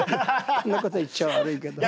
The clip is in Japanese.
こんなこと言っちゃ悪いけど。